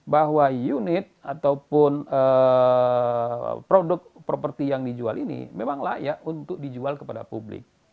bahwa unit ataupun produk properti yang dijual ini memang layak untuk dijual kepada publik